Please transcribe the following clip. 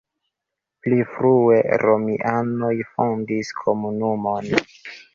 Pli frue romianoj fondis komunumon.